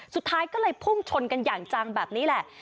สุดท้ายก็เลยพุ่งชนกันอย่างจังแบบนี้แหละ